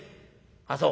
「あっそう。